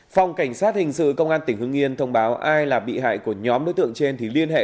phòng cảnh sát hình sự công an tỉnh hưng yên thông báo ai là bị hại của nhóm đối tượng trên thì liên hệ